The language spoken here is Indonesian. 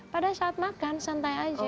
pada saat makan santai aja